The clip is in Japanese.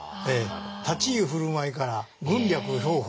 立ち居振る舞いから軍略兵法